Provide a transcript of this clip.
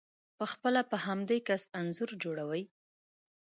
په خپله په همدې کس انځور جوړوئ،